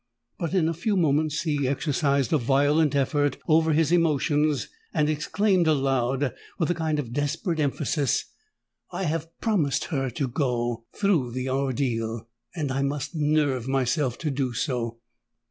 But in a few moments he exercised a violent effort over his emotions, and exclaimed aloud, with a kind of desperate emphasis, "I have promised her to go through the ordeal—and I must nerve myself to do so!